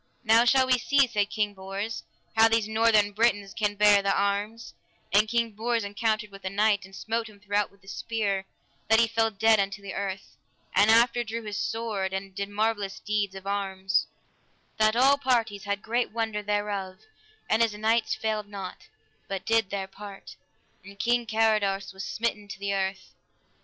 Now shall we see, said King Bors, how these northern Britons can bear the arms: and King Bors encountered with a knight, and smote him throughout with a spear that he fell dead unto the earth; and after drew his sword and did marvellous deeds of arms, that all parties had great wonder thereof; and his knights failed not, but did their part, and King Carados was smitten to the earth.